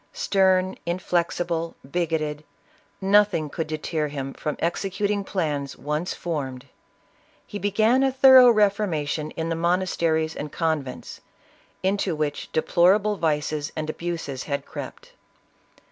Stern, inflexible, bigoted, nothing could deter him from executing plans once formed. He began a thor ough reformation in the monasteries and convents, into which deplorable vices and abuses had crept.